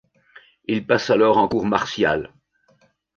Il passe alors en cour martiale.